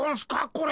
これ。